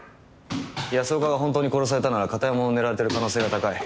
安岡が本当に殺されたなら片山も狙われている可能性が高い。